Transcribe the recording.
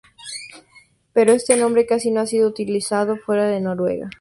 Pero este nombre casi no ha sido utilizado fuera de Noruega.